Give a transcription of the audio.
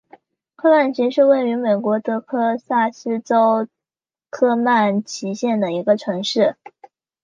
科曼奇是位于美国得克萨斯州科曼奇县的一个城市。